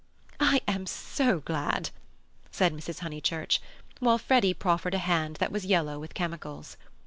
"I am so glad," said Mrs. Honeychurch, while Freddy proffered a hand that was yellow with chemicals.